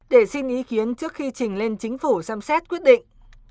để xin ý kiến trước khi trình lên chính phủ xem xét quyết định